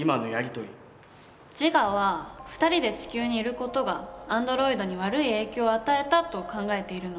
ジガは２人で地球にいる事がアンドロイドに悪い影響を与えたと考えているの。